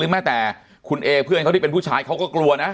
แม้แต่คุณเอเพื่อนเขาที่เป็นผู้ชายเขาก็กลัวนะ